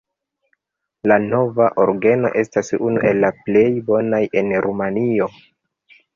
La nova orgeno estas unu el la plej bonaj en Rumanio.